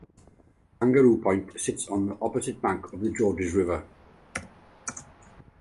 Kangaroo Point sits on the opposite bank of the Georges River.